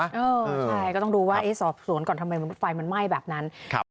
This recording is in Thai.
ใช่ก็ต้องดูว่าสอบสวนก่อนทำไมไฟมันไหม้แบบนั้น